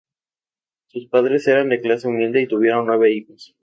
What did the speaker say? Sus padres eran de clase humilde y tuvieron nueve hijos.